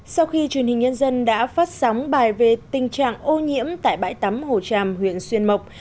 sau khi truyền hình nhân dân đã phát sóng bài về tình trạng ô nhiễm tại bãi tắm hồ tràm huyện xuyên mộc